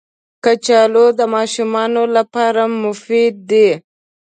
کچالو د ماشومانو لپاره مفید دي